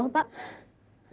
hingga berdua penguasa yang adil